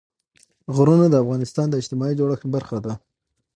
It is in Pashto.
غرونه د افغانستان د اجتماعي جوړښت برخه ده.